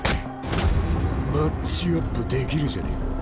マッチアップできるじゃねえか。